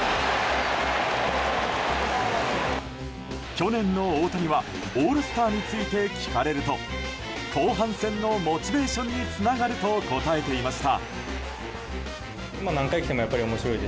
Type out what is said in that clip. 去年の大谷はオールスターについて聞かれると後半戦のモチベーションにつながると答えていました。